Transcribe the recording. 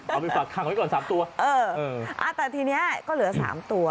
เอาไปฝากคุณแม่ก่อน๓ตัวเออแต่ทีนี้ก็เหลือ๓ตัว